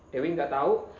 dewi gak tau